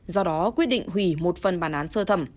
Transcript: do đó quyết định hủy một phần bản án sơ thẩm